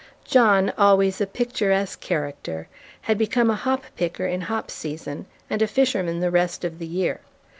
John, always a picturesque character, had become a hop picker in hop season, and a fisherman the rest of the year.